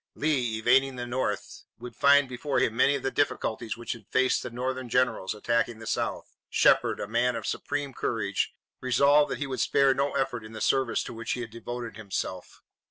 Lee, invading the North, would find before him many of the difficulties which had faced the Northern generals attacking the South. Shepard, a man of supreme courage, resolved that he would spare no effort in the service to which he had devoted himself.